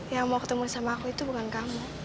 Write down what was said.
yang mau ketemu sama aku itu bukan kamu